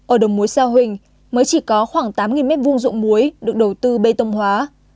ở đồng muối sa huỳnh mới chỉ có khoảng tám mét vuông dụng muối được đầu tư bê tông hóa